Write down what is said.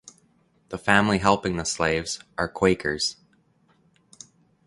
The family helping the slaves are Quakers.